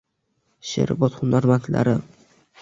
Sherobod hunarmandlari